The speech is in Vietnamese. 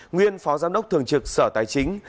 nguyên phó giám đốc thường trực sở tài chính